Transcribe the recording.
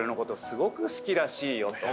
すごく好きらしいよ」と。